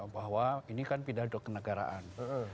bahwa ini kan pidato kenegaraan